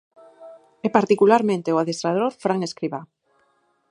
E particularmente o adestrador, Fran Escribá.